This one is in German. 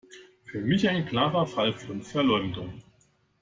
Für mich ein klarer Fall von Verleumdung.